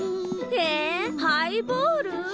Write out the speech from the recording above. えっ？ハイボール？